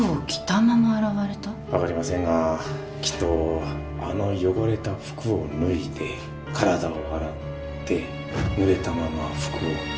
分かりませんがきっとあの汚れた服を脱いで体を洗ってぬれたまま服を着た。